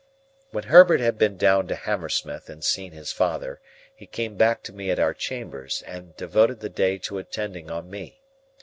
When Herbert had been down to Hammersmith and seen his father, he came back to me at our chambers, and devoted the day to attending on me.